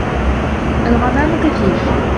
الْغَمَامُ كَثِيفٌ.